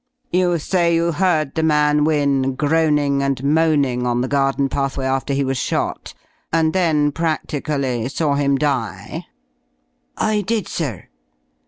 "You say you heard the man Wynne groaning and moaning on the garden pathway after he was shot, and then practically saw him die?" "I did, sir."